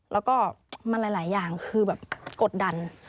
แล้วก็มันหลายอย่างคือแบบกดดัน